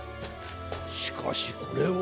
しかしこれは。